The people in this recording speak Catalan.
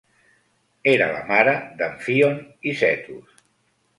Era la mare d'Amfíon i Zetos.